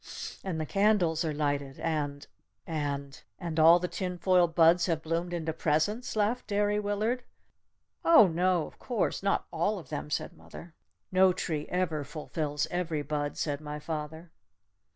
And the candles are lighted! And and " "And all the tin foil buds have bloomed into presents!" laughed Derry Willard. "Oh, no, of course not all of them," said mother. "No tree ever fulfills every bud," said my father.